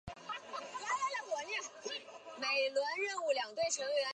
勃海郡南皮县人。